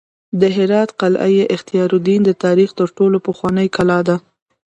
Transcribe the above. د هرات قلعه اختیارالدین د تاریخ تر ټولو پخوانۍ کلا ده